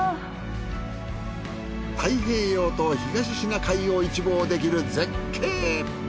太平洋と東シナ海を一望できる絶景。